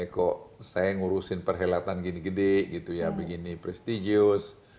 kok saya ngurusin perhelatan gini gede gitu ya begini prestigius